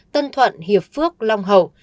tân thuận hiệp phước long hậu